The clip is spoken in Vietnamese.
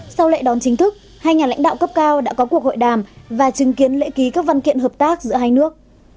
sau lễ đón chính thức hai nhà lãnh đạo cấp cao đã có cuộc hội đàm và chứng kiến lễ ký các văn kiện hợp tác giữa hai nước